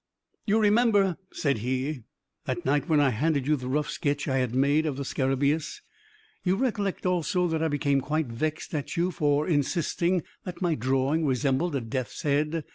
"You remember," said he, "the night when I handed you the rough sketch I had made of the scarabaeus. You recollect, also, that I became quite vexed at you for insisting that my drawing resembled a death's head.